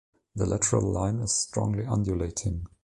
The lateral line is strongly undulating.